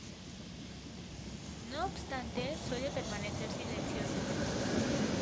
No obstante, suele permanecer silenciosa.